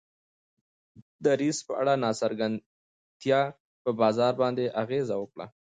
دریځ په اړه ناڅرګندتیا په بازار باندې اغیزه وکړه.